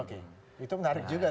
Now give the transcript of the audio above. itu menarik juga